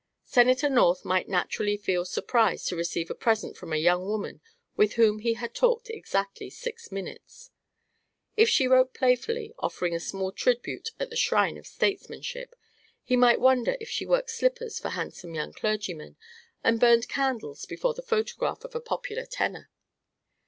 Senator North might naturally feel surprise to receive a present from a young woman with whom he had talked exactly six minutes. If she wrote playfully, offering a small tribute at the shrine of statesmanship, he might wonder if she worked slippers for handsome young clergymen and burned candles before the photograph of a popular tenor.